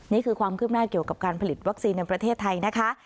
นี่คือความคืบหน้าเกี่ยวกับการผลิตวัคซีนในประเทศไทยนะคะ